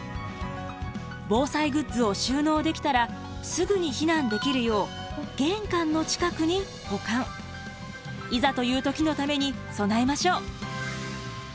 防災グッズを収納できたらすぐに避難できるよういざという時のために備えましょう。